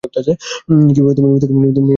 কিভাবে তুমি মৃতকে জীবিত কর আমাকে দেখাও।